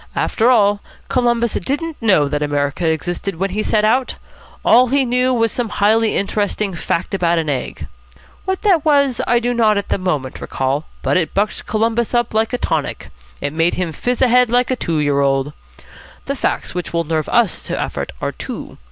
After all, Columbus didn't know that America existed when he set out. All he knew was some highly interesting fact about an egg. What that was, I do not at the moment recall, but it bucked Columbus up like a tonic. It made him fizz ahead like a two year old. The facts which will nerve us to effort are two.